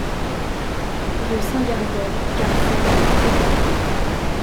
Rue Saint-Gerbold, Garcelles-Secqueville